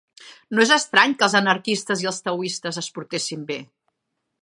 No és estrany que els anarquistes i els taoistes es portessin bé.